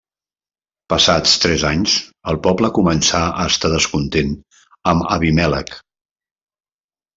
Passats tres anys, el poble començà a estar descontents amb Abimèlec.